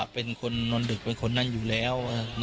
เป็นคนนอนดืกอยู่แล้ว